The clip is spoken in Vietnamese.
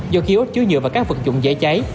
do kiosk chứa nhựa và các vật dụng dễ cháy